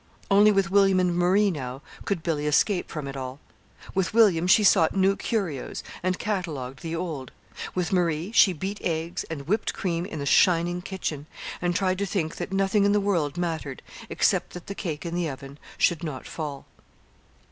Only with William and Marie, now, could Billy escape from it all. With William she sought new curios and catalogued the old. With Marie she beat eggs and whipped cream in the shining kitchen, and tried to think that nothing in the world mattered except that the cake in the oven should not fall.